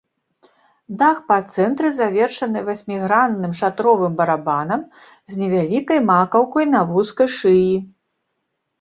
Дах па цэнтры завершаны васьмігранным шатровым барабанам з невялікай макаўкай на вузкай шыі.